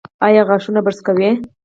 ایا غاښونه برس کوي؟